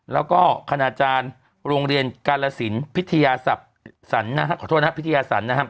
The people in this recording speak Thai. แล้วก็คณาจารย์โรงเรียนกาลสินพิทยาศัพท์สรรนะฮะขอโทษนะครับพิทยาศรนะครับ